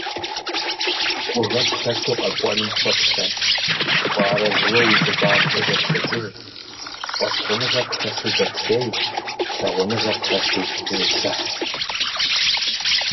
Гугъэ пхэлъу къэкӏуэнум хуэплъэ, уарэзыуэ уи щӏыбагъкӏэ зэплъэкӏыж, фӏэщхъуныгъэ пхэлъу дэплъей, лъагъуныгъэ пхэлъу зыплъыхь.